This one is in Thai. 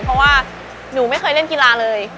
เพราะว่าหนูไม่เคยเล่นกีฬาเลย